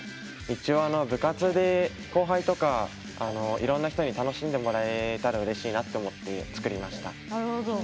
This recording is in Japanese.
一応、部活で後輩とかいろんな人に楽しんでもらえたらうれしいなと思って作りました。